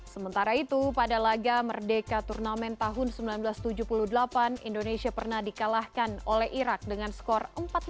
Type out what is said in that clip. sementara itu pada laga merdeka turnamen tahun seribu sembilan ratus tujuh puluh delapan indonesia pernah dikalahkan oleh irak dengan skor empat satu